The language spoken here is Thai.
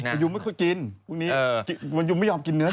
บายูไม่ค่อยกินวันนี้บายูไม่ยอมกินเนื้อสัก